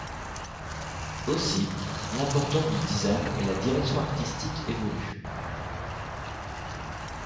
Aussi, l’importance du design et la direction artistique évoluent.